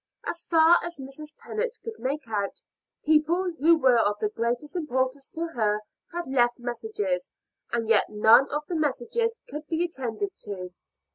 As far as Mrs. Tennant could make out, people who were of the greatest importance to her had left messages, and yet none of the messages could be attended to.